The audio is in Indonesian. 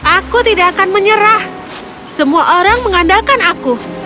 aku tidak akan menyerah semua orang mengandalkan aku